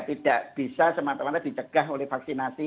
tidak bisa semata mata dicegah oleh vaksinasi